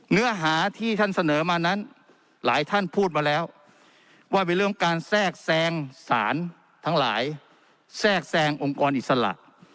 เนื้อหาที่ท่านเสนอมานั้นหลายท่านพูดมาแล้วว่าเป็นเรื่องการแทรกแซงสารทั้งหลายแทรกแทรงองค์กรอิสระ